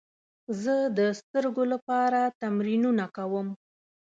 زه د سترګو لپاره تمرینونه کوم.